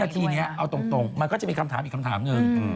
ทีนี้เอาตรงมันก็จะมีคำถามอีกคำถามหนึ่ง